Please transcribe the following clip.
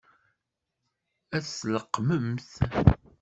Ad t-tleqqmemt?